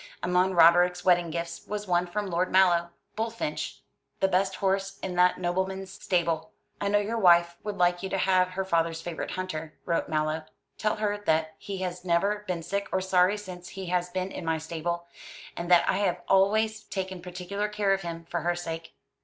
Among Roderick's wedding gifts was one from Lord Mallow: Bullfinch, the best horse in that nobleman's stable. "I know your wife would like you to have her father's favourite hunter," wrote Lord Mallow. "Tell her that he has never been sick or sorry since he has been in my stable, and that I have always taken particular care of him, for her sake."